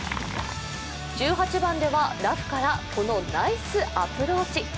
１８番ではラフからこのナイスアプローチ。